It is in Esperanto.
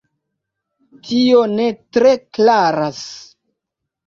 Tio ne tre klaras.